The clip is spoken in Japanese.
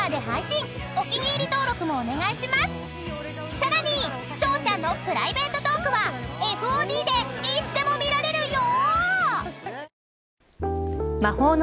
［さらにしょうちゃんのプライベートトークはＦＯＤでいつでも見られるよ］